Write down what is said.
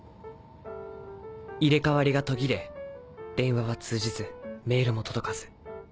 入れ替わりが途切れ電話は通じずメールも届かず。